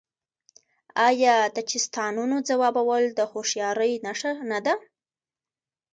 آیا د چیستانونو ځوابول د هوښیارۍ نښه نه ده؟